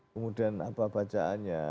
kemudian apa bacaannya